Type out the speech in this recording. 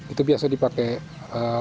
itu biasa dipakai korban